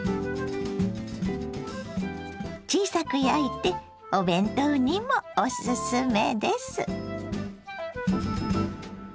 小さく焼いてお弁当にもおすすめです。